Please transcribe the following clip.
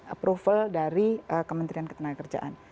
approval dari kementerian ketenagakerjaan